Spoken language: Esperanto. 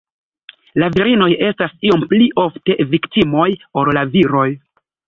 La virinoj estas iom pli ofte viktimoj ol la viroj.